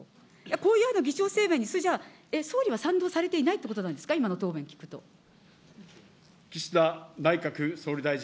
こういう議長声明に総理は賛同されていないということなんですか、岸田内閣総理大臣。